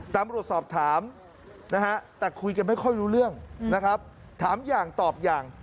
ตำรวจสอบถามนะฮะแต่คุยกันไม่ค่อยรู้เรื่องนะครับถามอย่างตอบอย่าง